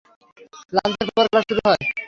লাঞ্চের পর খেলা শুরু হয়।